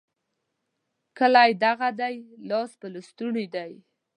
کلی دغه دی؛ لاس په لستوڼي دی.